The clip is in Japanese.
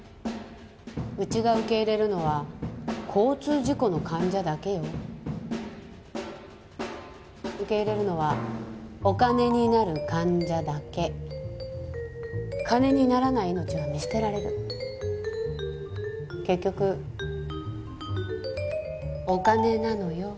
ウチが受け入れるのは交通事故の患者だけよ・受け入れるのはお金になる患者だけ金にならない命は見捨てられる結局お金なのよ